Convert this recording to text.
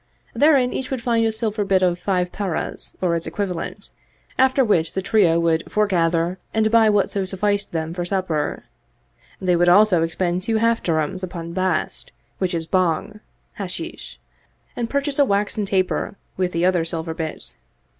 Therein each would find a silver bit of five parahs or its equivalent, after which the trio would foregather and buy whatso sufficed them for supper: they would also expend two half dirhams upon Bast, which is Bhang (Hashish), and purchase a waxen taper with the other silver bit.